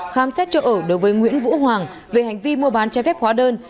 khám xét chỗ ở đối với nguyễn vũ hoàng về hành vi mua bán trái phép hóa đơn